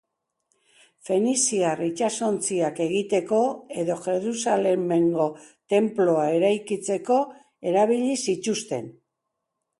Feniziar itsasontziak egiteko edo Jerusalemgo tenplua eraikitzeko erabili zituzten.